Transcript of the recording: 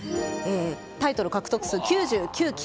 タイトル獲得数は９９期。